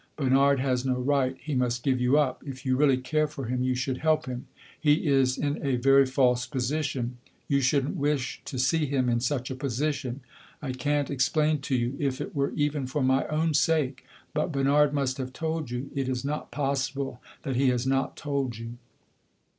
Bernard has no right he must give you up. If you really care for him, you should help him. He is in a very false position; you should n't wish to see him in such a position. I can't explain to you if it were even for my own sake. But Bernard must have told you; it is not possible that he has not told you?"